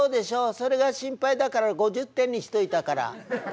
それが心配だから５０点にしといたから」。